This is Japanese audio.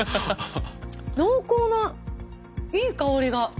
濃厚ないい香りが。